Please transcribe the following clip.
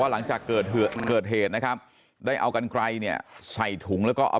หลังจากเกิดเหตุนะครับได้เอากันไกลเนี่ยใส่ถุงแล้วก็เอา